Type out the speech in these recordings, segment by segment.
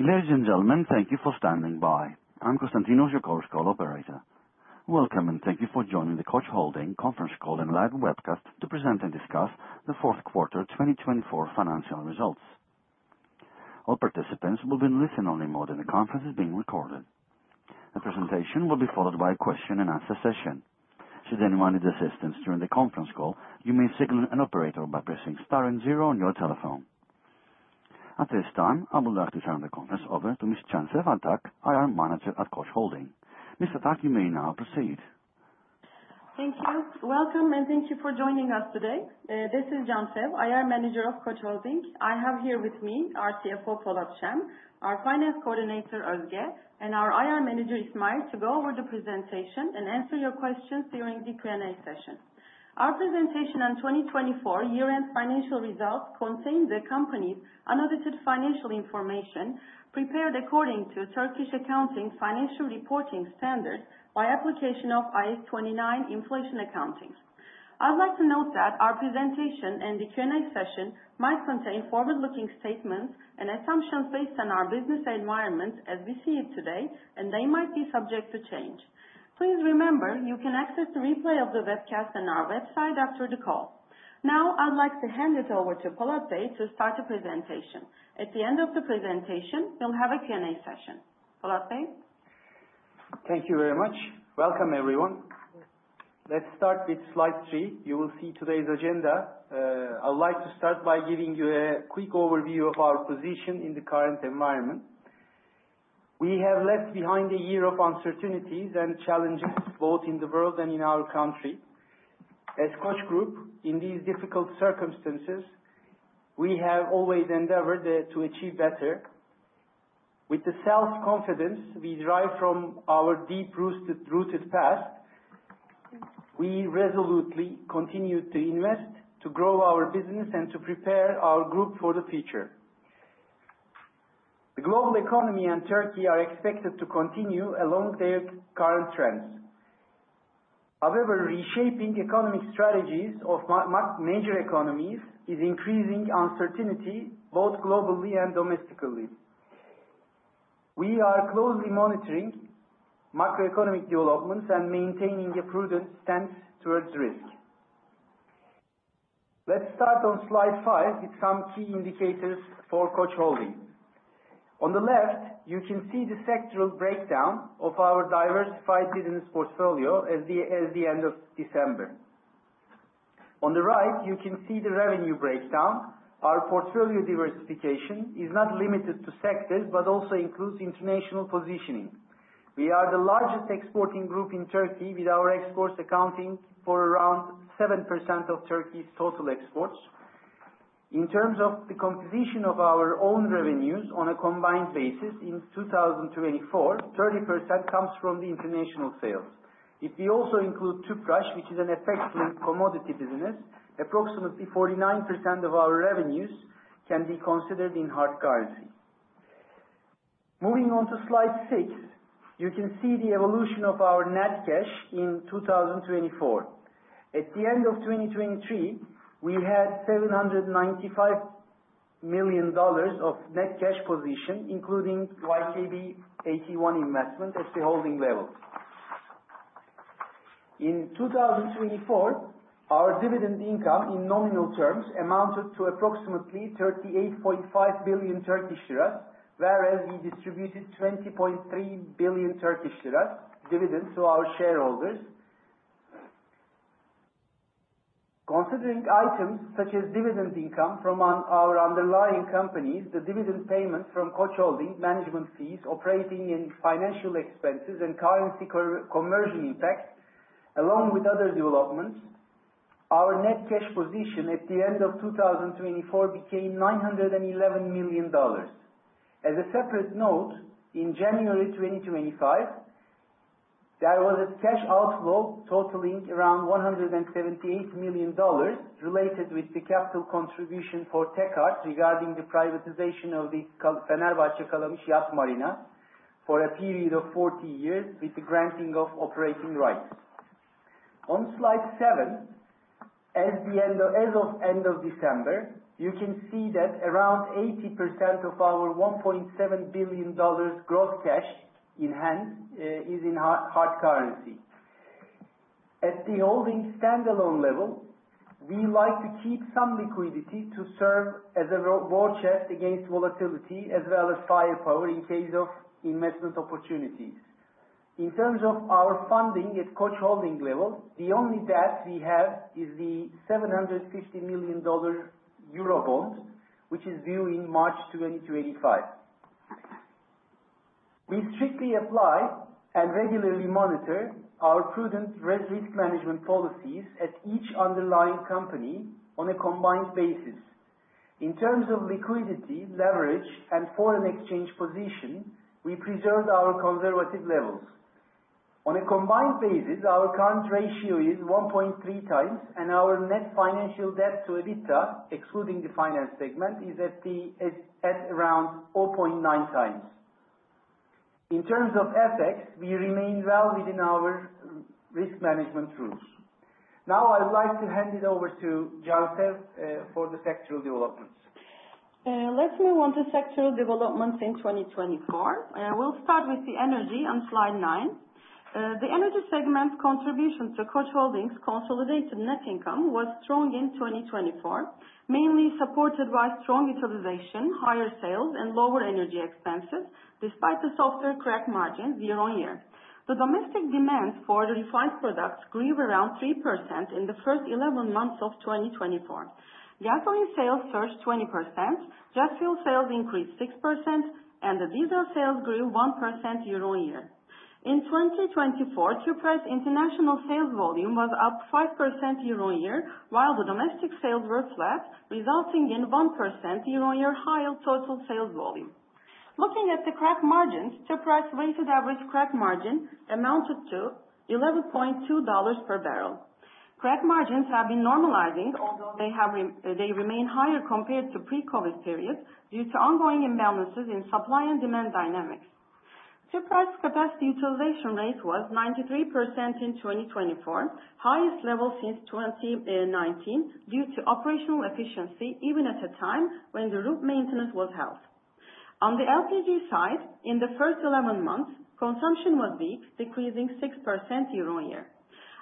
Ladies and gentlemen, thank you for standing by. I'm Konstantinos, your chorus call operator. Welcome, and thank you for joining the Koç Holding conference call and live webcast to present and discuss the Fourth Quarter 2024 Financial Results. All participants will be in listen-only mode, and the conference is being recorded. The presentation will be followed by a question-and-answer session. Should anyone need assistance during the conference call, you may signal an operator by pressing star and zero on your telephone. At this time, I would like to turn the conference over to Ms. Cansev Atak, IR Manager at Koç Holding. Ms. Atak, you may now proceed. Thank you. Welcome, and thank you for joining us today. This is Cansev Atak, IR Manager of Koç Holding. I have here with me our CFO, Polat Şen, our Finance Coordinator, Özge, and our IR Manager, İsmail, to go over the presentation and answer your questions during the Q&A session. Our presentation on 2024 year-end financial results contains the company's unedited financial information prepared according to Turkish Accounting Financial Reporting Standards by application of IAS 29 Inflation Accounting. I'd like to note that our presentation and the Q&A session might contain forward-looking statements and assumptions based on our business environment as we see it today, and they might be subject to change. Please remember, you can access the replay of the webcast on our website after the call. Now, I'd like to hand it over to Polat Bey to start the presentation. At the end of the presentation, we'll have a Q&A session. Polat Bey? Thank you very much. Welcome, everyone. Let's start with slide three. You will see today's agenda. I'd like to start by giving you a quick overview of our position in the current environment. We have left behind a year of uncertainties and challenges both in the world and in our country. As Koç Group, in these difficult circumstances, we have always endeavored to achieve better. With the self-confidence we derive from our deep-rooted past, we resolutely continue to invest, to grow our business, and to prepare our group for the future. The global economy and Turkey are expected to continue along their current trends. However, reshaping economic strategies of major economies is increasing uncertainty both globally and domestically. We are closely monitoring macroeconomic developments and maintaining a prudent stance towards risk. Let's start on slide five with some key indicators for Koç Holding. On the left, you can see the sectoral breakdown of our diversified business portfolio at the end of December. On the right, you can see the revenue breakdown. Our portfolio diversification is not limited to sectors but also includes international positioning. We are the largest exporting group in Turkey, with our exports accounting for around 7% of Turkey's total exports. In terms of the composition of our own revenues on a combined basis in 2024, 30% comes from the international sales. If we also include Tüpraş, which is an FX-linked commodity business, approximately 49% of our revenues can be considered in hard currency. Moving on to slide six, you can see the evolution of our net cash in 2024. At the end of 2023, we had $795 million of net cash position, including YKB AT1 investment at the holding level. In 2024, our dividend income, in nominal terms, amounted to approximately 38.5 billion Turkish lira, whereas we distributed 20.3 billion Turkish lira dividend to our shareholders. Considering items such as dividend income from our underlying companies, the dividend payments from Koç Holding, management fees, operating and financial expenses, and currency conversion impact, along with other developments, our net cash position at the end of 2024 became $911 million. As a separate note, in January 2025, there was a cash outflow totaling around $178 million related with the capital contribution for Tek-Art regarding the privatization of the Fenerbahçe-Kalamış Yat Limanı for a period of 40 years with the granting of operating rights. On slide seven, as of end of December, you can see that around 80% of our $1.7 billion gross cash in hand is in hard currency. At the holding standalone level, we like to keep some liquidity to serve as a war chest against volatility as well as firepower in case of investment opportunities. In terms of our funding at Koç Holding level, the only debt we have is the $750 million Eurobond, which is due in March 2025. We strictly apply and regularly monitor our prudent risk management policies at each underlying company on a combined basis. In terms of liquidity, leverage, and foreign exchange position, we preserved our conservative levels. On a combined basis, our current ratio is 1.3x, and our net financial debt to EBITDA, excluding the finance segment, is at around 0.9x. In terms of FX, we remain well within our risk management rules. Now, I would like to hand it over to Cansev Atak for the sectoral developments. Let's move on to sectoral developments in 2024. We'll start with the energy on slide nine. The energy segment contribution to Koç Holding's consolidated net income was strong in 2024, mainly supported by strong utilization, higher sales, and lower energy expenses, despite the softer crack margin year-on-year. The domestic demand for the refined products grew around 3% in the first 11 months of 2024. Gasoline sales surged 20%, jet fuel sales increased 6%, and the diesel sales grew 1% year-on-year. In 2024, Tüpraş's international sales volume was up 5% year-on-year, while the domestic sales were flat, resulting in 1% year-on-year higher total sales volume. Looking at the crack margins, Tüpraş's weighted average crack margin amounted to $11.2 per barrel. Crack margins have been normalizing, although they remain higher compared to pre-COVID periods due to ongoing imbalances in supply and demand dynamics. Tüpraş's capacity utilization rate was 93% in 2024, highest level since 2019, due to operational efficiency, even at a time when the RUP maintenance was held. On the LPG side, in the first 11 months, consumption was weak, decreasing 6% year-on-year.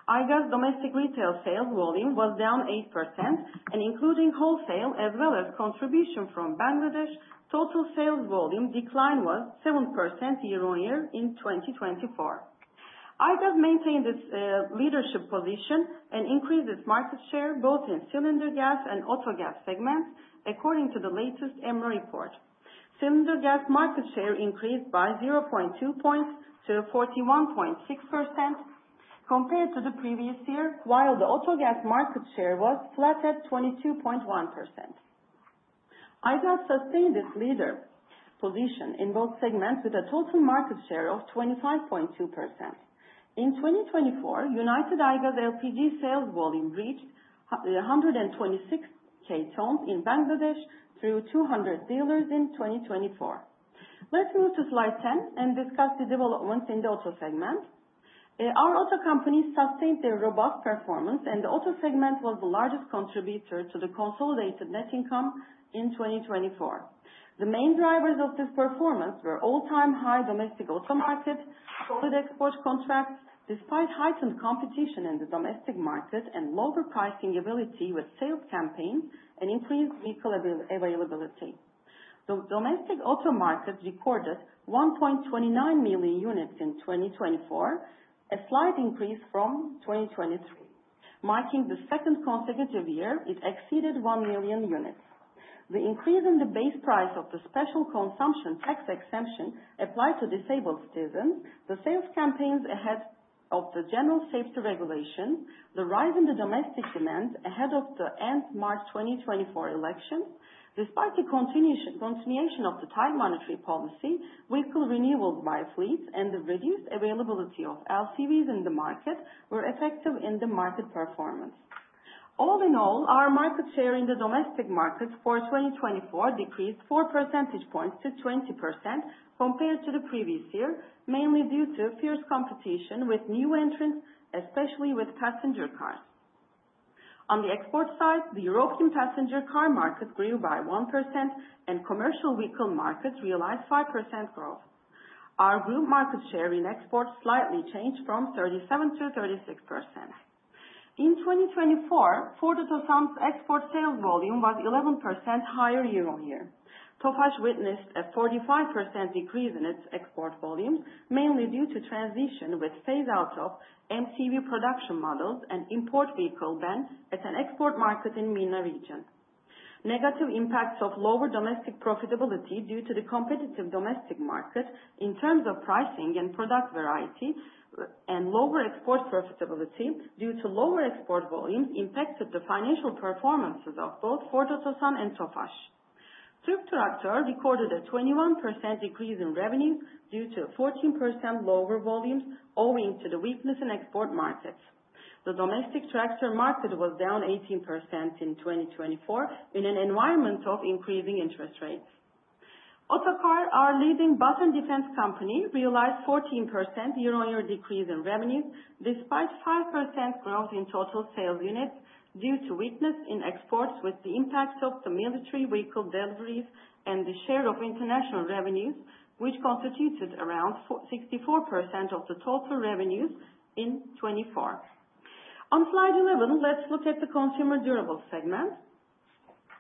Aygaz's domestic retail sales volume was down 8%, and including wholesale as well as contribution from Bangladesh, total sales volume decline was 7% year-on-year in 2024. Aygaz maintained its leadership position and increased its market share both in cylinder gas and autogas segments, according to the latest EMRA report. Cylinder gas market share increased by 0.2 points to 41.6% compared to the previous year, while the autogas market share was flat at 22.1%. Aygaz sustained its leader position in both segments with a total market share of 25.2%. In 2024, United Aygaz LPG sales volume reached 126,000 tons in Bangladesh through 200 dealers in 2024. Let's move to slide 10 and discuss the developments in the auto segment. Our auto companies sustained their robust performance, and the auto segment was the largest contributor to the consolidated net income in 2024. The main drivers of this performance were all-time high domestic auto market, solid export contracts, despite heightened competition in the domestic market and lower pricing ability with sales campaigns and increased vehicle availability. The domestic auto market recorded 1.29 million units in 2024, a slight increase from 2023, marking the second consecutive year it exceeded 1 million units. The increase in the base price of the special consumption tax exemption applied to disabled citizens, the sales campaigns ahead of the general safety regulation, the rise in the domestic demand ahead of the end March 2024 elections, despite the continuation of the tight monetary policy, vehicle renewals by fleets, and the reduced availability of LCVs in the market were effective in the market performance. All in all, our market share in the domestic markets for 2024 decreased 4 percentage points to 20% compared to the previous year, mainly due to fierce competition with new entrants, especially with passenger cars. On the export side, the European passenger car market grew by 1%, and commercial vehicle markets realized 5% growth. Our group market share in exports slightly changed from 37%-36%. In 2024, Ford Otosan's export sales volume was 11% higher year-on-year. Tofaş witnessed a 45% decrease in its export volumes, mainly due to transition with phase-out of MCV production models and import vehicle ban at an export market in the MENA region. Negative impacts of lower domestic profitability due to the competitive domestic market in terms of pricing and product variety and lower export profitability due to lower export volumes impacted the financial performances of both Ford Otosan and Tofaş. TürkTraktör recorded a 21% decrease in revenues due to 14% lower volumes owing to the weakness in export markets. The domestic tractor market was down 18% in 2024 in an environment of increasing interest rates. Otokar, our leading bus and defense company, realized 14% year-on-year decrease in revenues despite 5% growth in total sales units due to weakness in exports with the impact of the military vehicle deliveries and the share of international revenues, which constituted around 64% of the total revenues in 2024. On slide 11, let's look at the Consumer Durables segment.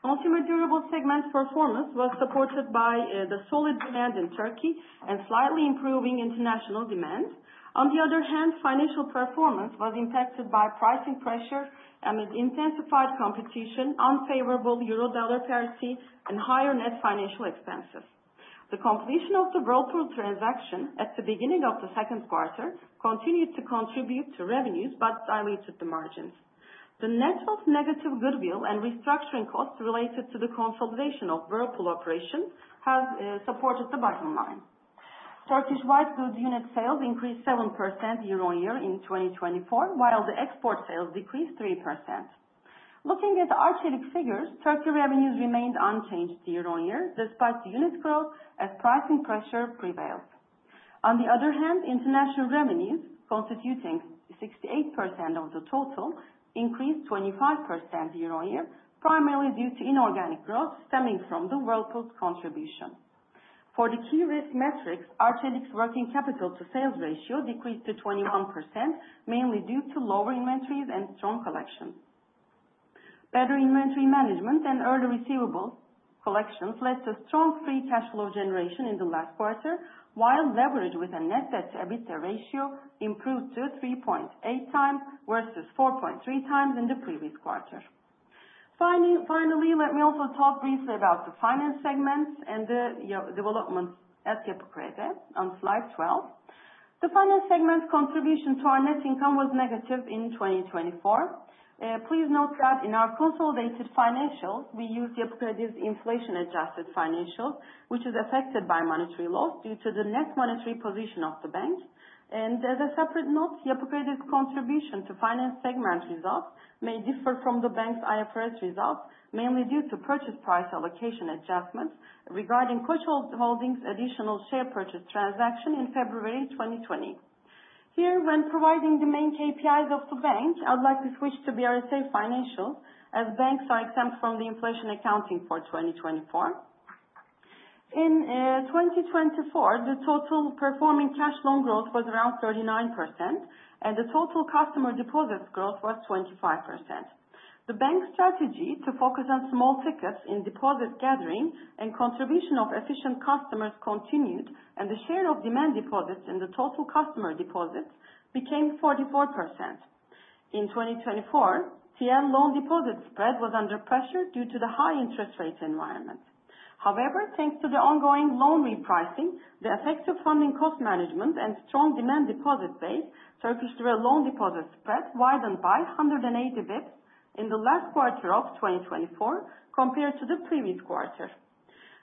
Consumer Durables segment performance was supported by the solid demand in Turkey and slightly improving international demand. On the other hand, financial performance was impacted by pricing pressures amid intensified competition, unfavorable Euro-Dollar currency, and higher net financial expenses. The completion of the Whirlpool transaction at the beginning of the second quarter continued to contribute to revenues but diluted the margins. The net of negative goodwill and restructuring costs related to the consolidation of Whirlpool operations have supported the bottom line. Turkish white goods unit sales increased 7% year-on-year in 2024, while the export sales decreased 3%. Looking at Arçelik figures, Turkey revenues remained unchanged year-on-year despite the unit growth as pricing pressure prevailed. On the other hand, international revenues, constituting 68% of the total, increased 25% year-on-year, primarily due to inorganic growth stemming from the Whirlpool's contribution. For the key risk metrics, Arçelik's working capital to sales ratio decreased to 21%, mainly due to lower inventories and strong collections. Better inventory management and early receivable collections led to strong free cash flow generation in the last quarter, while leverage with a net debt to EBITDA ratio improved to 3.8x versus 4.3x in the previous quarter. Finally, let me also talk briefly about the finance segments and the developments at Yapı Kredi on slide 12. The finance segment contribution to our net income was negative in 2024. Please note that in our consolidated financials, we use Yapı Kredi's inflation-adjusted financials, which is affected by monetary loss due to the net monetary position of the bank, and as a separate note, Yapı Kredi's contribution to finance segment results may differ from the bank's IFRS results, mainly due to purchase price allocation adjustments regarding Koç Holding's additional share purchase transaction in February 2020. Here, when providing the main KPIs of the bank, I'd like to switch to BRSA financials as banks are exempt from the inflation accounting for 2024. In 2024, the total performing cash loan growth was around 39%, and the total customer deposits growth was 25%. The bank's strategy to focus on small tickets in deposit gathering and contribution of efficient customers continued, and the share of demand deposits in the total customer deposits became 44%. In 2024, TL loan deposit spread was under pressure due to the high interest rate environment. However, thanks to the ongoing loan repricing, the effective funding cost management, and strong demand deposit base, Turkish loan deposit spread widened by 180 bps in the last quarter of 2024 compared to the previous quarter.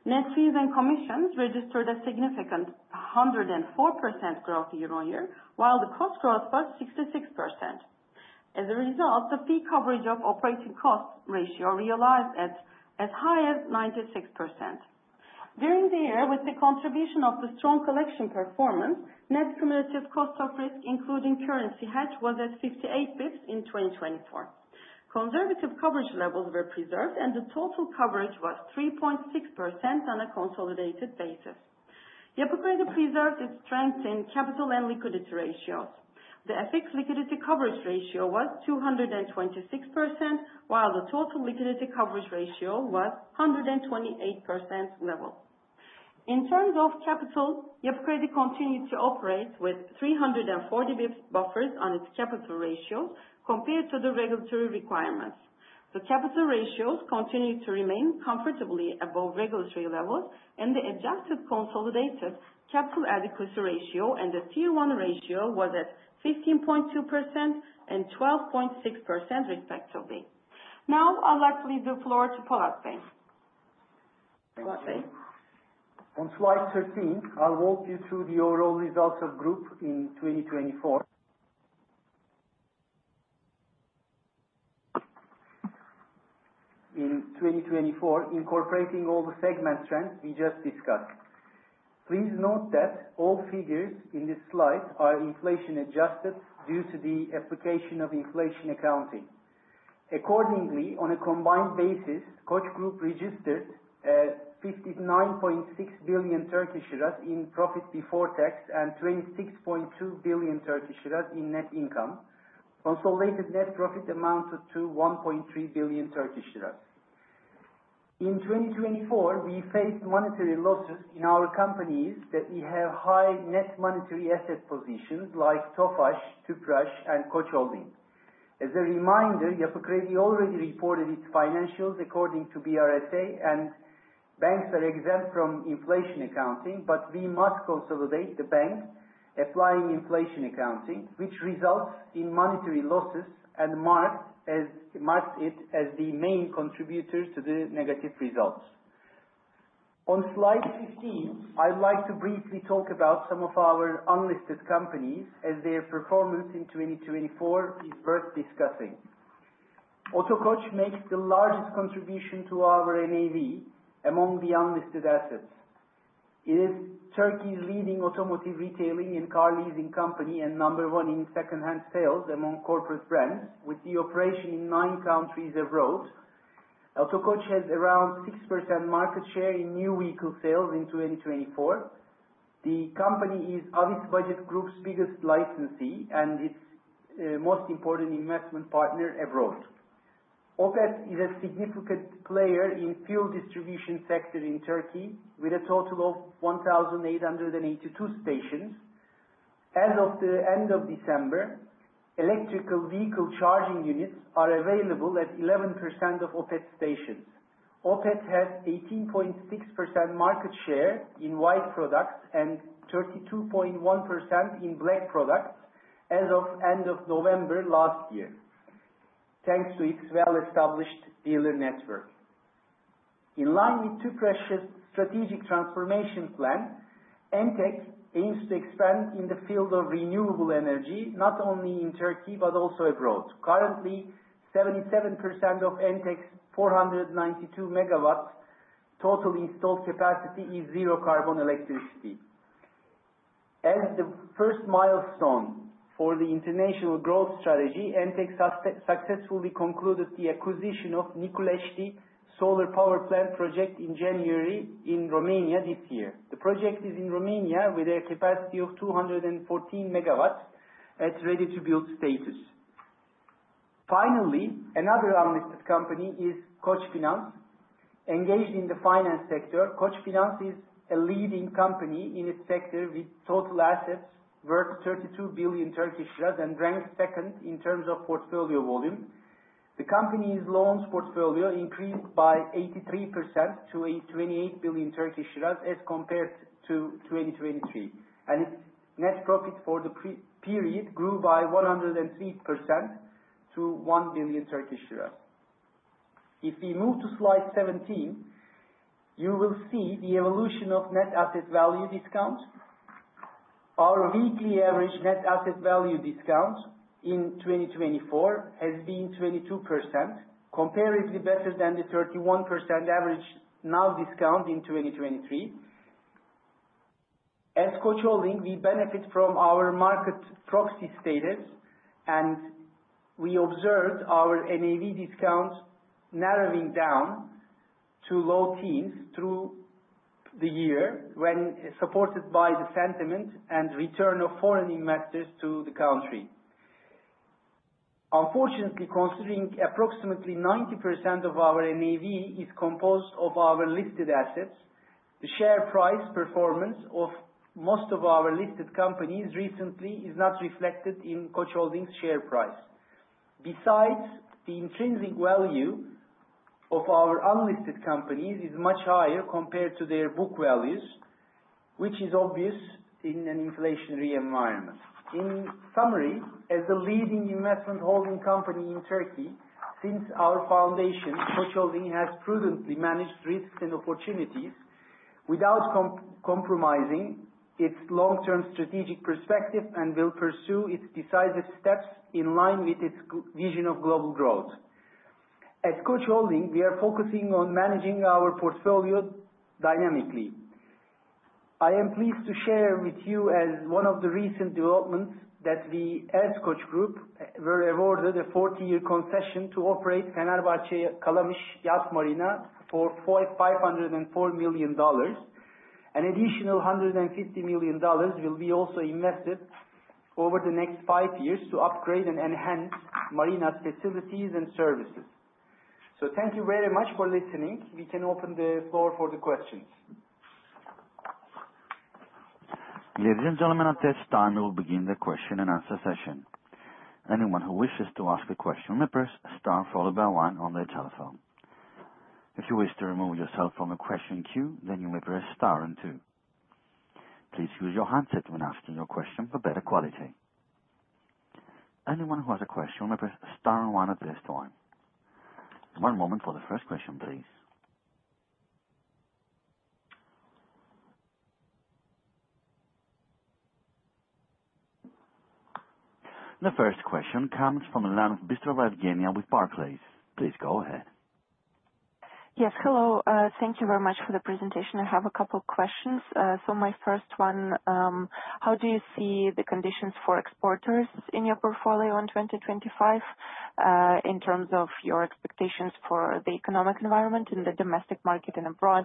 Net fees and commissions registered a significant 104% growth year-on-year, while the cost growth was 66%. As a result, the fee coverage of operating cost ratio realized as high as 96%. During the year, with the contribution of the strong collection performance, net cumulative cost of risk, including currency hedge, was at 58 bps in 2024. Conservative coverage levels were preserved, and the total coverage was 3.6% on a consolidated basis. Yapı Kredi preserved its strength in capital and liquidity ratios. The FX liquidity coverage ratio was 226%, while the total liquidity coverage ratio was 128% level. In terms of capital, Yapı Kredi continued to operate with 340 bps buffers on its capital ratios compared to the regulatory requirements. The capital ratios continued to remain comfortably above regulatory levels, and the adjusted consolidated capital adequacy ratio and the tier 1 ratio was at 15.2% and 12.6% respectively. Now, I'll likely give the floor to Polat Bey. On slide 13, I'll walk you through the overall results of the group in 2024, incorporating all the segment trends we just discussed. Please note that all figures in this slide are inflation-adjusted due to the application of inflation accounting. Accordingly, on a combined basis, Koç Group registered 59.6 billion in profit before tax and 26.2 billion in net income. Consolidated net profit amounted to 1.3 billion. In 2024, we faced monetary losses in our companies that we have high net monetary asset positions like Tofaş, Tüpraş, and Koç Holding. As a reminder, Yapı Kredi already reported its financials according to BRSA, and banks are exempt from inflation accounting, but we must consolidate the bank applying inflation accounting, which results in monetary losses and marked it as the main contributor to the negative results. On slide 15, I'd like to briefly talk about some of our unlisted companies as their performance in 2024 is worth discussing. Otokoç makes the largest contribution to our NAV among the unlisted assets. It is Turkey's leading automotive retailing and car leasing company and number one in second-hand sales among corporate brands, with the operation in nine countries abroad. Otokoç has around 6% market share in new vehicle sales in 2024. The company is Avis Budget Group's biggest licensee and its most important investment partner abroad. Opet is a significant player in fuel distribution sector in Turkey with a total of 1,882 stations. As of the end of December, electric vehicle charging units are available at 11% of Opet stations. Opet has 18.6% market share in white products and 32.1% in black products as of end of November last year, thanks to its well-established dealer network. In line with Tüpraş's strategic transformation plan, Entek aims to expand in the field of renewable energy not only in Turkey but also abroad. Currently, 77% of Entek's 492 MW total installed capacity is zero carbon electricity. As the first milestone for the international growth strategy, Entek successfully concluded the acquisition of Niculești Solar Power Plant project in January in Romania this year. The project is in Romania with a capacity of 214 MW at ready-to-build status. Finally, another unlisted company is Koçfinans. Engaged in the finance sector, Koçfinans is a leading company in its sector with total assets worth 32 billion Turkish lira and ranked second in terms of portfolio volume. The company's loans portfolio increased by 83% to 28 billion as compared to 2023, and its net profit for the period grew by 103% to 1 billion Turkish lira. If we move to slide 17, you will see the evolution of net asset value discounts. Our weekly average net asset value discount in 2024 has been 22%, comparatively better than the 31% average NAV discount in 2023. As Koç Holding, we benefit from our market proxy status, and we observed our NAV discount narrowing down to low teens through the year when supported by the sentiment and return of foreign investors to the country. Unfortunately, considering approximately 90% of our NAV is composed of our listed assets, the share price performance of most of our listed companies recently is not reflected in Koç Holding's share price. Besides, the intrinsic value of our unlisted companies is much higher compared to their book values, which is obvious in an inflationary environment. In summary, as a leading investment holding company in Turkey, since our foundation, Koç Holding has prudently managed risks and opportunities without compromising its long-term strategic perspective and will pursue its decisive steps in line with its vision of global growth. At Koç Holding, we are focusing on managing our portfolio dynamically. I am pleased to share with you one of the recent developments that we, as Koç Group, were awarded a 40-year concession to operate Fenerbahçe-Kalamış Yat Limanı for $504 million. An additional $150 million will be also invested over the next five years to upgrade and enhance marina's facilities and services. So thank you very much for listening. We can open the floor for the questions. Ladies and gentlemen, at this time, we will begin the question and answer session. Anyone who wishes to ask a question may press star followed by one on their telephone. If you wish to remove yourself from the question queue, then you may press star and two. Please use your handset when asking your question for better quality. Anyone who has a question may press star and one at this time. One moment for the first question, please. The first question comes from Bystrova Evgeniya with Barclays. Please go ahead. Yes, hello. Thank you very much for the presentation. I have a couple of questions. So my first one, how do you see the conditions for exporters in your portfolio in 2025 in terms of your expectations for the economic environment in the domestic market and abroad?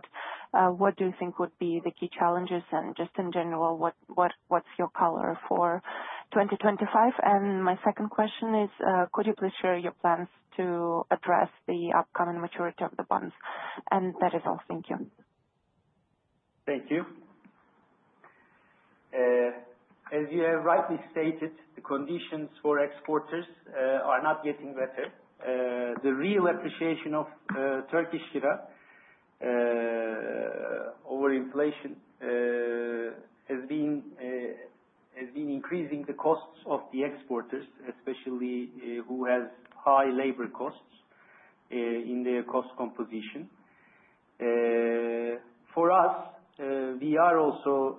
What do you think would be the key challenges? And just in general, what's your color for 2025? And my second question is, could you please share your plans to address the upcoming maturity of the bonds? And that is all. Thank you. Thank you. As you have rightly stated, the conditions for exporters are not getting better. The real appreciation of Turkish lira over inflation has been increasing the costs of the exporters, especially who have high labor costs in their cost composition. For us, we are also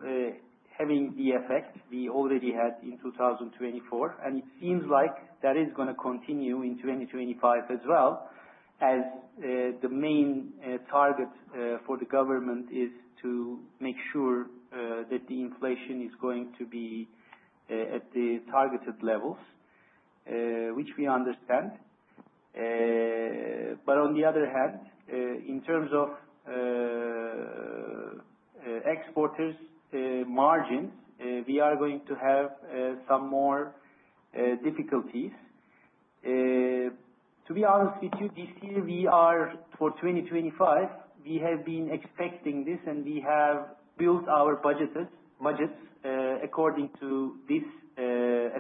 having the effect we already had in 2024, and it seems like that is going to continue in 2025 as well, as the main target for the government is to make sure that the inflation is going to be at the targeted levels, which we understand. But on the other hand, in terms of exporters' margins, we are going to have some more difficulties. To be honest with you, this year for 2025, we have been expecting this, and we have built our budgets according to this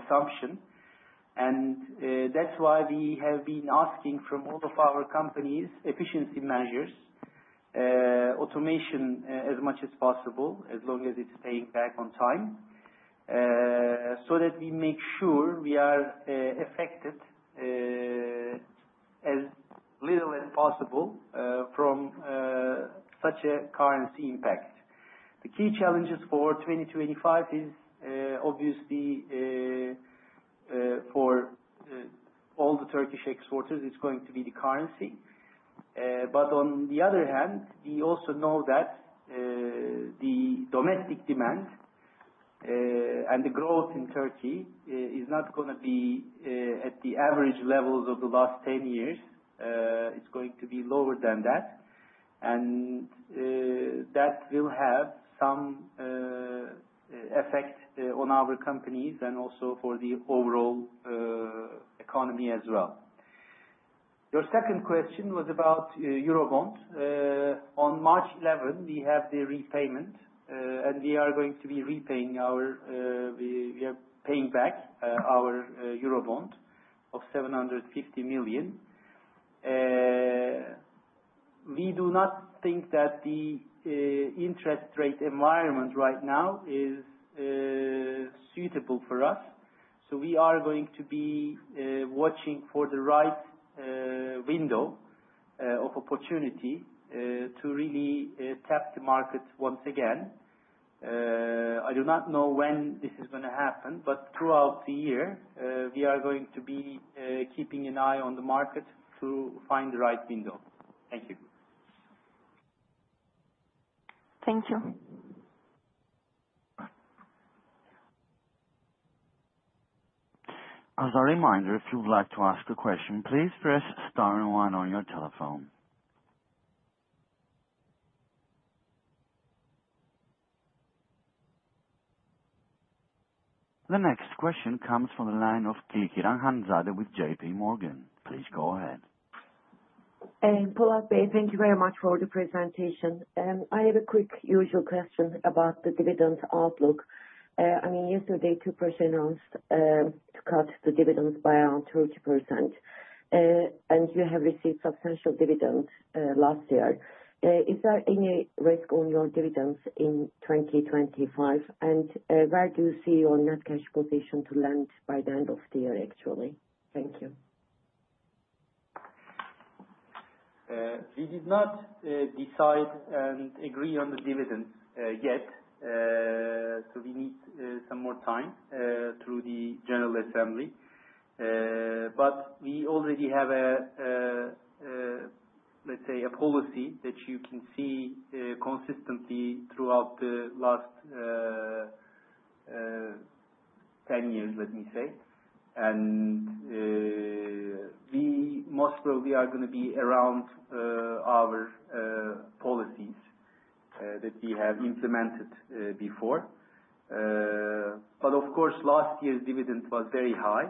assumption. That's why we have been asking from all of our companies efficiency measures, automation as much as possible, as long as it's paying back on time, so that we make sure we are affected as little as possible from such a currency impact. The key challenges for 2025 is, obviously, for all the Turkish exporters, it's going to be the currency. On the other hand, we also know that the domestic demand and the growth in Turkey is not going to be at the average levels of the last 10 years. It's going to be lower than that, and that will have some effect on our companies and also for the overall economy as well. Your second question was about Eurobond. On March 11, we have the repayment, and we are going to be repaying our Eurobond of $750 million. We do not think that the interest rate environment right now is suitable for us, so we are going to be watching for the right window of opportunity to really tap the market once again. I do not know when this is going to happen, but throughout the year, we are going to be keeping an eye on the market to find the right window. Thank you. Thank you. As a reminder, if you would like to ask a question, please press star and one on your telephone. The next question comes from the line of Kılıçkıran Hanzade with JPMorgan. Please go ahead. Polat Bey, thank you very much for the presentation. I have a quick usual question about the dividend outlook. I mean, yesterday, Tüpraş announced to cut the dividends by around 30%, and you have received substantial dividends last year. Is there any risk on your dividends in 2025? And where do you see your net cash position to land by the end of the year, actually? Thank you. We did not decide and agree on the dividends yet, so we need some more time through the General Assembly. But we already have a, let's say, a policy that you can see consistently throughout the last 10 years, let me say. And most probably, we are going to be around our policies that we have implemented before. But of course, last year's dividend was very high,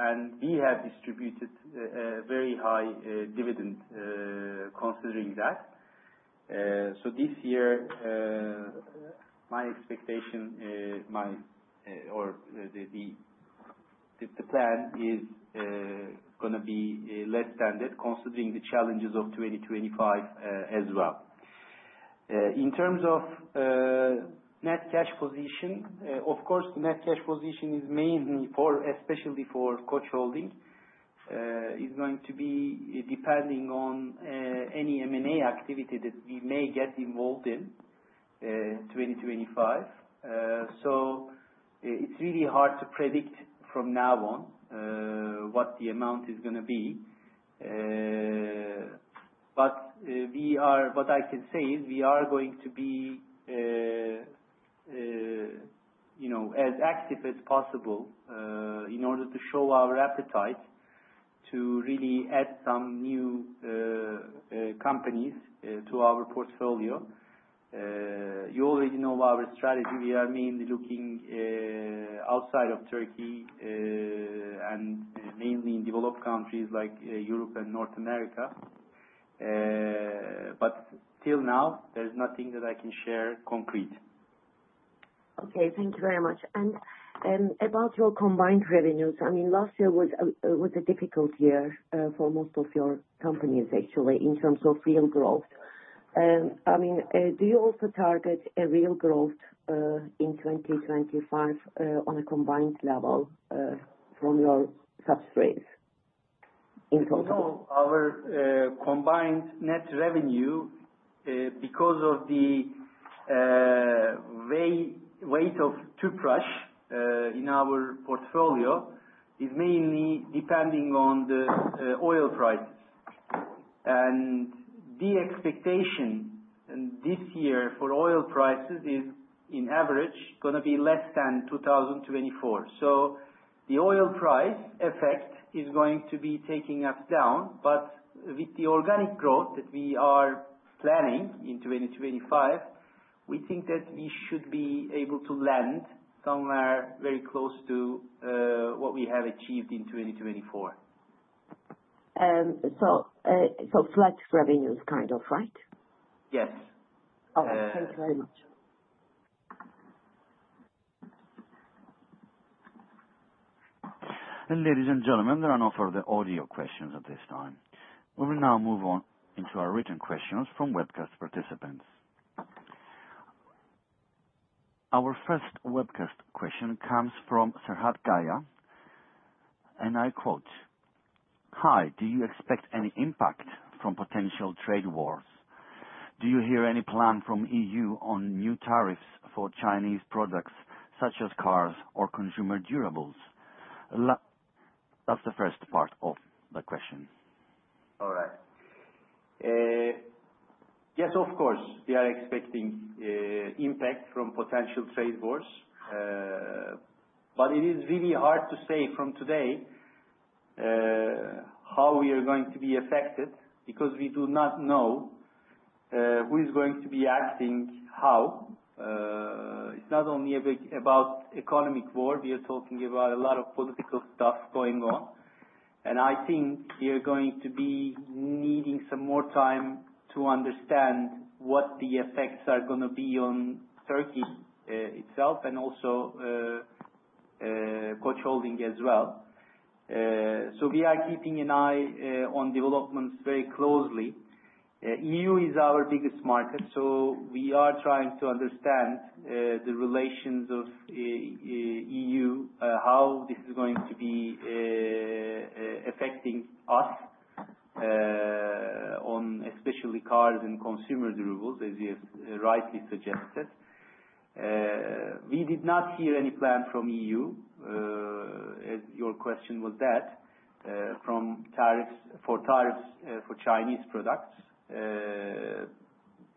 and we have distributed a very high dividend considering that. So this year, my expectation or the plan is going to be less than that considering the challenges of 2025 as well. In terms of net cash position, of course, the net cash position is mainly, especially for Koç Holding, is going to be depending on any M&A activity that we may get involved in 2025. So it's really hard to predict from now on what the amount is going to be. But what I can say is we are going to be as active as possible in order to show our appetite to really add some new companies to our portfolio. You already know our strategy. We are mainly looking outside of Turkey and mainly in developed countries like Europe and North America. But till now, there's nothing that I can share concrete. Okay. Thank you very much. And about your combined revenues, I mean, last year was a difficult year for most of your companies, actually, in terms of real growth. I mean, do you also target a real growth in 2025 on a combined level from your subsidiaries in total? No. Our combined net revenue, because of the weight of Tüpraş in our portfolio, is mainly depending on the oil prices. The expectation this year for oil prices is, on average, going to be less than 2024. The oil price effect is going to be taking us down. With the organic growth that we are planning in 2025, we think that we should be able to land somewhere very close to what we have achieved in 2024. So flat revenues kind of, right? Yes. Okay. Thank you very much. And ladies and gentlemen, there are no further audio questions at this time. We will now move on into our written questions from webcast participants. Our first webcast question comes from Serhat Kaya, and I quote, "Hi, do you expect any impact from potential trade wars? Do you hear any plan from the EU on new tariffs for Chinese products such as cars or Consumer Durables?" That's the first part of the question. All right. Yes, of course, we are expecting impact from potential trade wars. But it is really hard to say from today how we are going to be affected because we do not know who is going to be acting how. It's not only about economic war. We are talking about a lot of political stuff going on. And I think we are going to be needing some more time to understand what the effects are going to be on Turkey itself and also Koç Holding as well. So we are keeping an eye on developments very closely. The EU is our biggest market, so we are trying to understand the relations of the EU, how this is going to be affecting us, especially cars and Consumer Durables, as you have rightly suggested. We did not hear any plan from the EU, as your question was that, for tariffs for Chinese products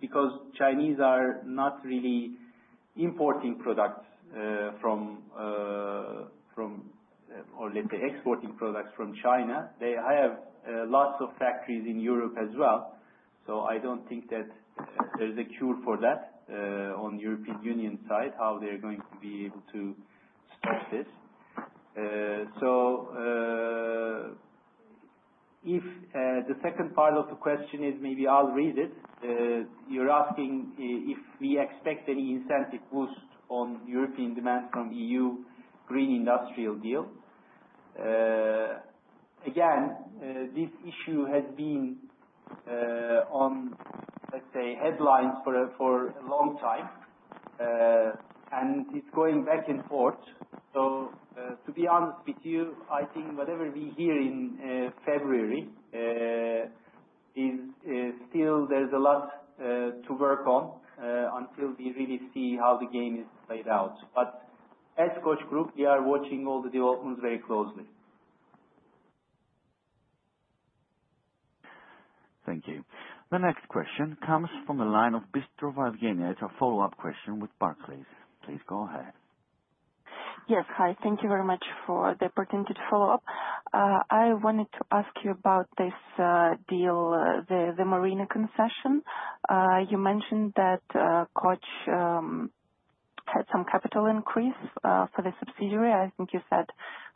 because Chinese are not really importing products from or, let's say, exporting products from China. They have lots of factories in Europe as well. So I don't think that there is a cure for that on the European Union side, how they're going to be able to stop this. So if the second part of the question is maybe I'll read it. You're asking if we expect any incentive boost on European demand from the EU Green Industrial Deal. Again, this issue has been on, let's say, headlines for a long time, and it's going back and forth. So to be honest with you, I think whatever we hear in February is still there's a lot to work on until we really see how the game is played out. But as Koç Group, we are watching all the developments very closely. Thank you. The next question comes from the line of Bystrova Evgeniya. It's a follow-up question with Barclays. Please go ahead. Yes. Hi. Thank you very much for the opportunity to follow up. I wanted to ask you about this deal, the marina concession. You mentioned that Koç had some capital increase for the subsidiary. I think you said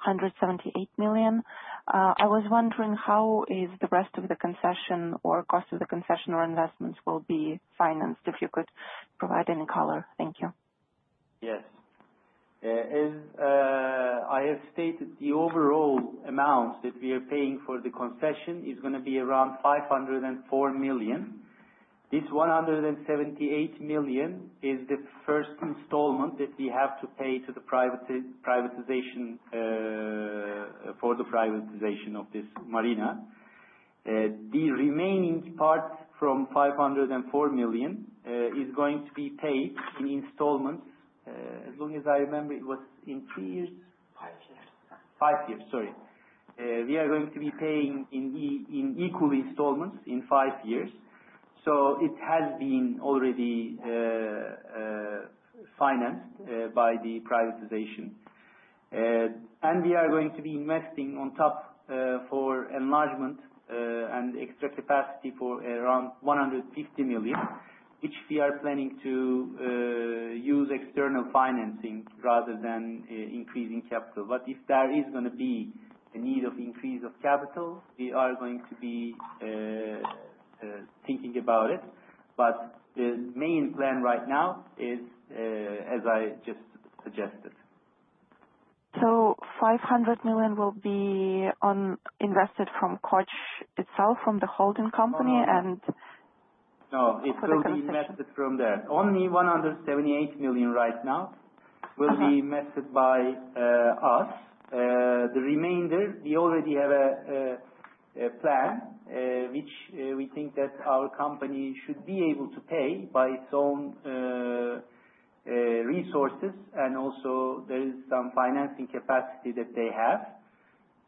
178 million. I was wondering how the rest of the concession or cost of the concession or investments will be financed, if you could provide any color. Thank you. Yes. As I have stated, the overall amount that we are paying for the concession is going to be around 504 million. This 178 million is the first installment that we have to pay to the privatization for the privatization of this marina. The remaining part from 504 million is going to be paid in installments. As long as I remember, it was in three years? Five years. Sorry. We are going to be paying in equal installments in five years, so it has been already financed by the privatization, and we are going to be investing on top for enlargement and extra capacity for around 150 million, which we are planning to use external financing rather than increasing capital, but if there is going to be a need of increase of capital, we are going to be thinking about it, but the main plan right now is, as I just suggested. 500 million will be invested from Koç itself, from the holding company, and Koç will be invested? No. It will be invested from there. Only 178 million right now will be invested by us. The remainder, we already have a plan, which we think that our company should be able to pay by its own resources. And also, there is some financing capacity that they have,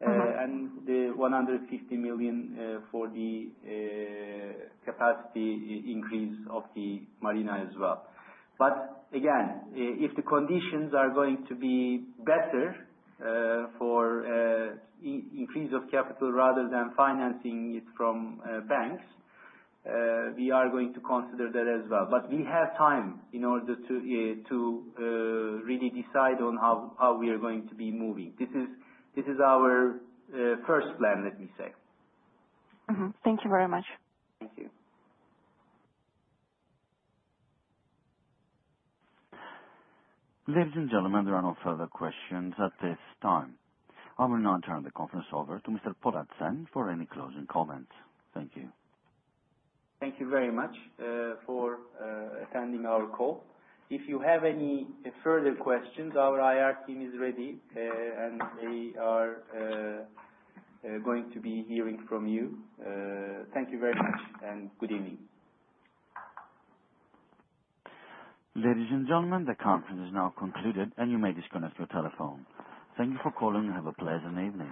and the 150 million for the capacity increase of the marina as well. But again, if the conditions are going to be better for increase of capital rather than financing it from banks, we are going to consider that as well. But we have time in order to really decide on how we are going to be moving. This is our first plan, let me say. Thank you very much. Thank you. Ladies and gentlemen, there are no further questions at this time. I will now turn the conference over to Mr. Polat Şen for any closing comments. Thank you. Thank you very much for attending our call. If you have any further questions, our IR team is ready, and they are going to be hearing from you. Thank you very much, and good evening. Ladies and gentlemen, the conference is now concluded, and you may disconnect your telephone. Thank you for calling, and have a pleasant evening.